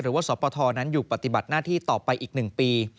สปทนั้นอยู่ปฏิบัติหน้าที่ต่อไปอีก๑ปี